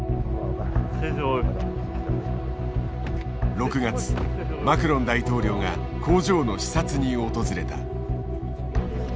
６月マクロン大統領が工場の視察に訪れた。